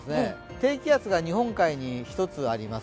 低気圧が日本海に一つあります。